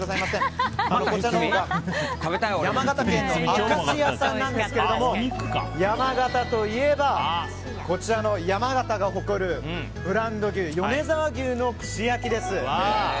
山形県のアカシ屋さんなんですが山形といえば、山形が誇るブランド牛・米沢牛の串焼きです。